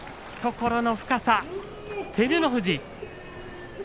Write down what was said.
懐の深さ、照ノ富士。